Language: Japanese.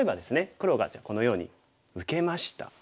黒がじゃあこのように受けました。